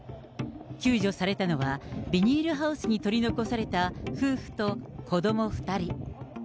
救助されたのは、ビニールハウスに取り残された夫婦と子ども２人。